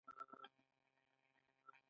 ژوند ښکلی دی ، ژوند وکړئ